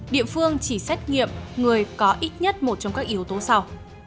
địa phương chỉ xét nghiệm người có ít nhất một trong các yếu tố sau